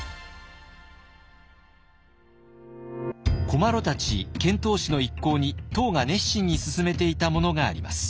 古麻呂たち遣唐使の一行に唐が熱心に勧めていたものがあります。